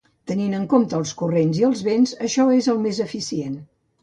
Tenint en compte els corrents i els vents, això és el més eficient.